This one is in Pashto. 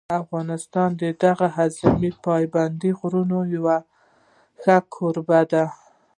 افغانستان د دغو عظیمو پابندي غرونو یو ښه کوربه دی.